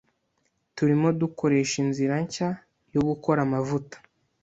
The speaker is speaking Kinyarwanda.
Turimo dukoresha inzira nshya yo gukora amavuta.